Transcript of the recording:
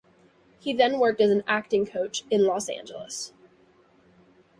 He then worked as an acting coach in Los Angeles.